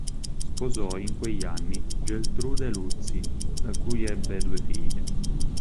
Sposò in quegli anni Geltrude Luzi da cui ebbe due figlie.